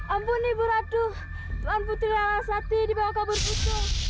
ampuni ibu ratu tuan putri rara sati dibawa kabur buta